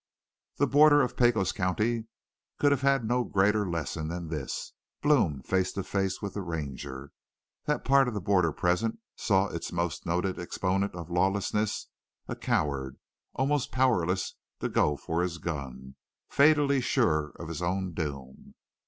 "The border of Pecos County could have had no greater lesson than this Blome face to face with the Ranger. That part of the border present saw its most noted exponent of lawlessness a coward, almost powerless to go for his gun, fatally sure of his own doom.